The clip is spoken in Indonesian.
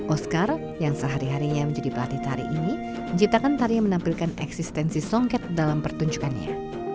oscar yang sehari harinya menjadi pelatih tari ini menciptakan tari yang menampilkan eksistensi songket dalam pertunjukannya